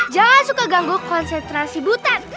jangan suka ganggu konsentrasi butet